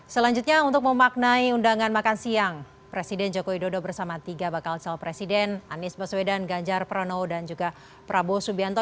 selanjutnya untuk memaknai undangan makan siang presiden joko widodo bersama tiga bakal calon presiden anies baswedan ganjar pranowo dan juga prabowo subianto